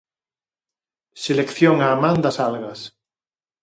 Selección á man das algas.